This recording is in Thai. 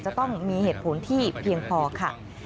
จะต้องมีเหตุผลที่เพียงพอค่ะ